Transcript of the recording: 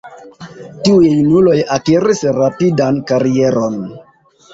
Tiuj junuloj akiris rapidan karieron.